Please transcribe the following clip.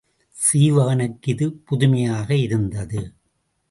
சீவகனுக்கு இது புதுமையாக இருந்தது.